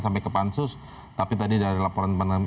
sampai ke pansus tapi tadi dari laporan